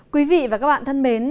quý vị và các bạn thân mến